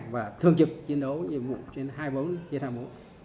và thương trực chiến đấu nhiệm vụ trên hai vốn trên hai vốn